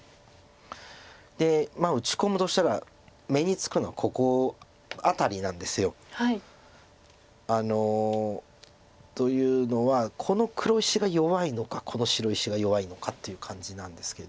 で打ち込むとしたら目につくのはここ辺りなんです。というのはこの黒石が弱いのかこの白石が弱いのかっていう感じなんですけど。